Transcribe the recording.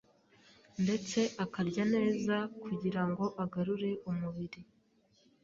ndetse ukarya neza kugira ngo ugarure umubiri